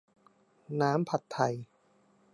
น้ำผัดไทย